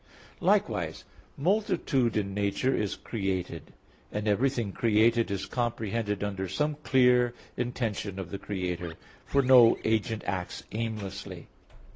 Likewise multitude in nature is created; and everything created is comprehended under some clear intention of the Creator; for no agent acts aimlessly.